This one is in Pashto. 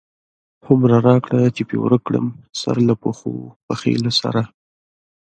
هو مره را کړه چی پی ورک کړم، سرله پښو، پښی له سره